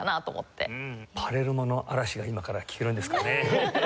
パレルモの嵐が今から聴けるんですかね。